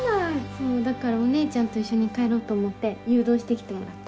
そうだからお姉ちゃんと一緒に帰ろうと思って誘導して来てもらった。